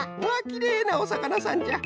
きれいなおさかなさんじゃ。